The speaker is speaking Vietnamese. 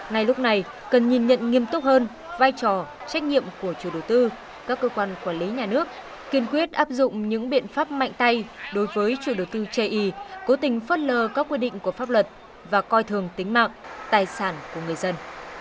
ngay lúc này cần nhìn nhận nghiêm túc hơn vai trò trách nhiệm của chủ đầu tư các cơ quan quản lý nhà nước kiên quyết áp dụng những biện pháp mạnh tay đối với chủ đầu tư chê ý cố tình phất lờ các quy định của pháp luật và coi thường tính mạng tài sản của người dân